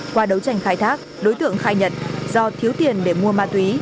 qua đấu tranh khai thác đối tượng khai nhận do thiếu tiền để mua ma túy